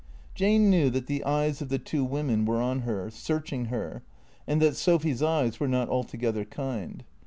Jane knew that the eyes of the two women were on her, search ing her, and that Sophy's eyes were not altogether kind.